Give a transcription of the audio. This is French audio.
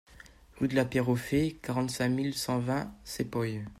Rue de la Pierre Aux Fées, quarante-cinq mille cent vingt Cepoy